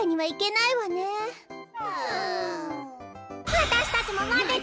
わたしたちもまぜて。